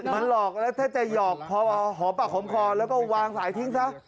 มันหลอกแล้วถ้าจะหยอกพอหอมปากหอมคอแล้วก็วางสายทิ้งซะ